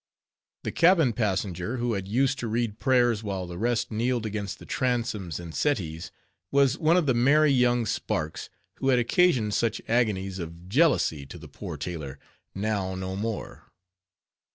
The cabin passenger who had used to read prayers while the rest kneeled against the transoms and settees, was one of the merry young sparks, who had occasioned such agonies of jealousy to the poor tailor, now no more.